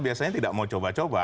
biasanya tidak mau coba coba